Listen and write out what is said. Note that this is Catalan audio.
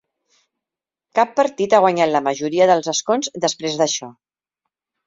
Cap partit ha guanyat la majoria dels escons després d'això.